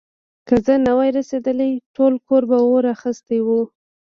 که زه نه وای رسېدلی، ټول کور به اور اخيستی و.